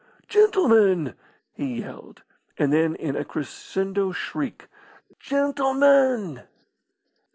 "Gentlemen!" he yelled. And then in a crescendo shriek, "Gentlemen!"